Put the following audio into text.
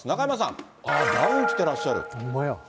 あっ、ダウン着てらっしゃる。